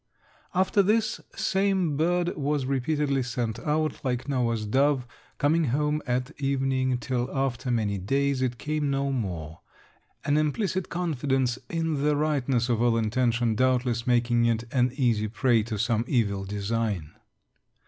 After this same bird was repeatedly sent out, like Noah's dove, coming home at evening, till after many days it came no more an implicit confidence in the rightness of all intention doubtless making it an easy prey to some evil design.